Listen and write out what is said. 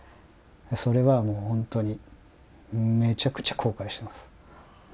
それはもうホントにめちゃくちゃ後悔しています。